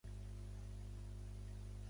En Josep i l'Esteve són més que amigues.